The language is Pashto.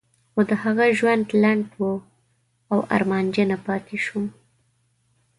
خو د هغه ژوند لنډ و او ارمانجنه پاتې شوم.